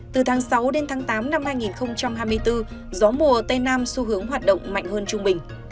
từ tháng sáu đến tháng tám năm hai nghìn hai mươi bốn gió mùa tây nam xu hướng hoạt động mạnh hơn trung bình